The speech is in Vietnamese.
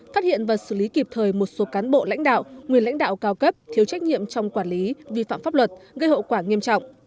phát hiện và xử lý kịp thời một số cán bộ lãnh đạo nguyên lãnh đạo cao cấp thiếu trách nhiệm trong quản lý vi phạm pháp luật gây hậu quả nghiêm trọng